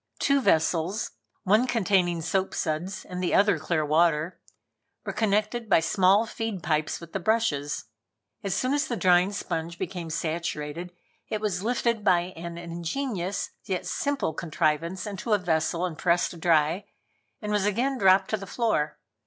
Two vessels, one containing soap suds and the other clear water, were connected by small feed pipes with the brushes. As soon as the drying sponge became saturated, it was lifted by an ingenious yet simple contrivance into a vessel and pressed dry, and was again dropped to the floor.